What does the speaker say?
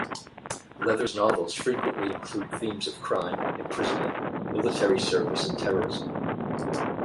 Leather's novels frequently include themes of crime, imprisonment, military service, and terrorism.